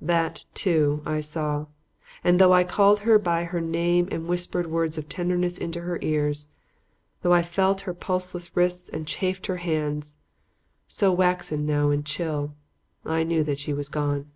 That, too, I saw. And though I called her by her name and whispered words of tenderness into her ears; though I felt her pulseless wrists and chafed her hands so waxen now and chill I knew that she was gone.